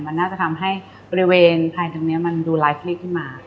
มันน่าจะทำให้บริเวณภายตรงนี้มันดูไลฟ์คลิกขึ้นมา